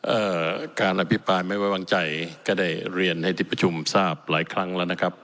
เอ่อการอภิปรายไม่ไว้วางใจก็ได้เรียนให้ที่ประชุมทราบหลายครั้งแล้วนะครับ